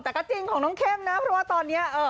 แต่ก็จริงของน้องเข้มนะเพราะว่าตอนนี้